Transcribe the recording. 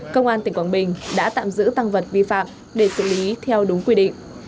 công an tỉnh quảng bình đã tạm giữ tăng vật vi phạm để xử lý theo đúng quy định